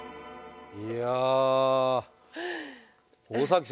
いや。